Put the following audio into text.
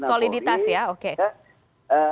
soliditas ya oke